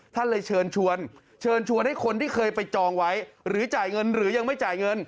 ท่านเลยเชิญชวนเชิญชวนให้คนที่เคยไปจองไว้หรือจ่ายเงินหรือยังไม่จ่ายเงิน